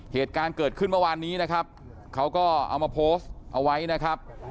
เหตุการณ์เกิดขึ้นเมื่อวานนี้นะครับเขาก็เอามาโพสต์เอาไว้นะครับ